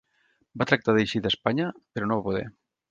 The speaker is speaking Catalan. Va tractar d'eixir d'Espanya però no va poder.